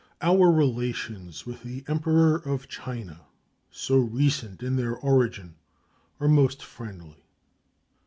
Our relations with the Emperor of China, so recent in their origin, are most friendly.